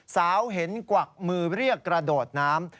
สาวเห็นกวักมือเรียกกระโดดน้ำ